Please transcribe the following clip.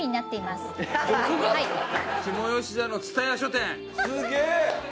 すげえ！